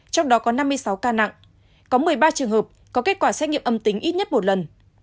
trong đó có năm mươi sáu ca nặng có một mươi ba trường hợp có kết quả xét nghiệm âm tính ít nhất một lần